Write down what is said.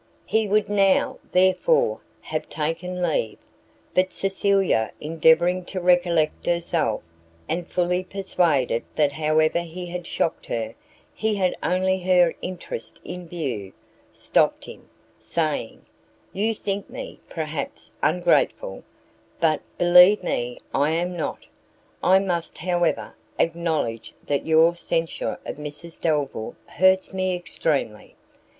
He would now, therefore, have taken leave; but Cecilia, endeavouring to recollect herself, and fully persuaded that however he had shocked her, he had only her interest in view, stopt him, saying, "You think me, perhaps, ungrateful, but believe me I am not; I must, however, acknowledge that your censure of Mrs Delvile hurts me extremely.